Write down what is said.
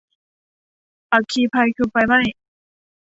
อัคคีภัย คือไฟไหม้